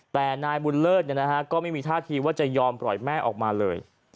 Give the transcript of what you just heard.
แต่นายบุญเลิศก็ไม่มีท่าทีว่าจะยอมปล่อยแม่ออกมาเลย